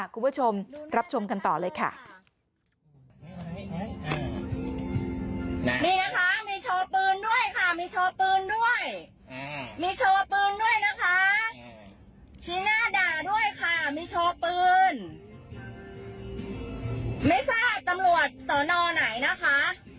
คุณผู้ชมรับชมกันต่อเลยค่ะ